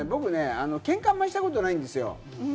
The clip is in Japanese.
僕、けんかあんまりしたことないんですよ。